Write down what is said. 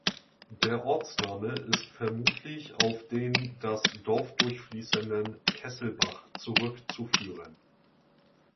Der Ortsname ist vermutlich auf den das Dorf durchfließenden Kesselbach zurückzuführen.